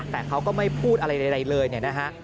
แต่เขาก็ไม่พูดอะไรใดเลยเนี่ยนะฮะ